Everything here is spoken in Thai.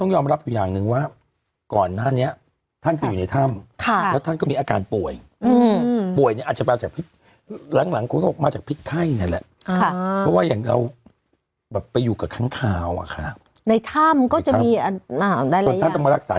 หรือพี่คุณก่อน